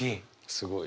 すごいよ。